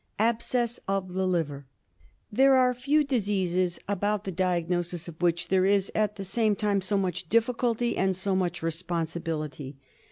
Abscess of the Liver. There are few diseases about the diagnosis of which there is, at the same time, so much difficulty and so much responsibility.